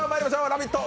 「ラヴィット！」